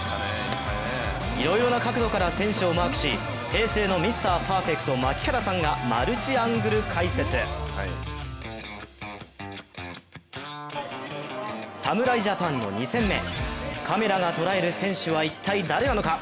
いろいろな角度から選手をマークし平成のミスターパーフェクト槙原さんがマルチアングル解説。侍ジャパンの２戦目カメラが捉える選手は一体、誰なのか。